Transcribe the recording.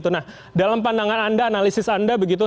nah dalam pandangan anda analisis anda begitu